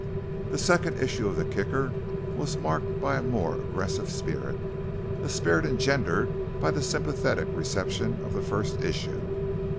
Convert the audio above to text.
The second issue of the Kicker was marked by a more aggressive spirit a spirit engendered by the sympathetic reception of the first issue.